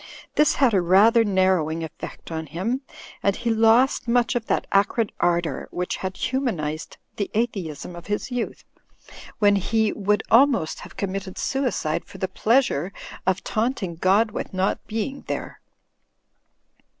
This had a rather narrowing effect on him, and he lost much of that acrid ardour which had humanised the atheism of his youth, when 235 a 236 THE FLYING INN he would almost have committed suicide for the plea sure of taunting God with not being there.